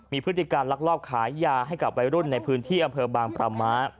มีพฤติการลักลอบขายยาให้กับวัยรุ่นในพื้นที่อำเภอบางประมะ